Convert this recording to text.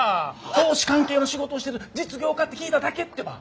投資関係の仕事をしてる実業家って聞いただけってば。